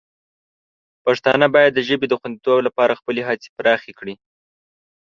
پښتانه باید د ژبې د خوندیتوب لپاره خپلې هڅې پراخې کړي.